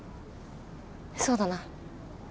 そうだな。